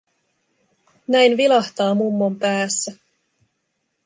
Näin vilahtaa mummon päässä.